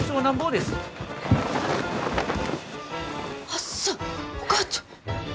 はっさお母ちゃん。